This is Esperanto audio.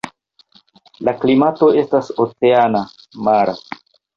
La klimato estas oceana (mara).